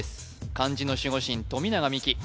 漢字の守護神富永美樹